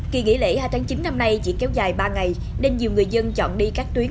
kỳ nghỉ lễ hai tháng chín năm nay chỉ kéo dài ba ngày nên nhiều người dân chọn đi các tuyến